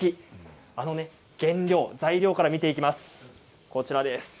あの材料から見ていきます。